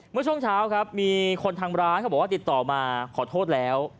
เมื่อช่วงเช้าครับมีคนทางร้านเขาบอกว่าติดต่อมาขอโทษแล้ว